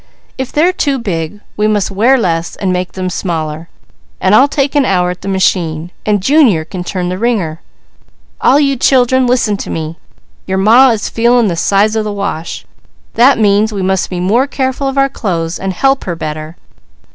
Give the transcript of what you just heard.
"If they're too big, we must wear less and make them smaller, and I'll take an hour at the machine, and Junior can turn the wringer. All of you children listen to me. Your Ma is feeling the size of the wash. That means we must be more careful of our clothes and help her better.